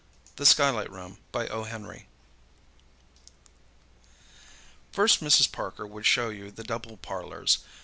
THE SKYLIGHT ROOM First Mrs. Parker would show you the double parlours.